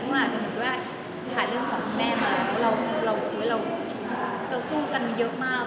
คือเหมือนรู้ว่าถ่ายเรื่องของแม่มาเราสู้กันเยอะมาก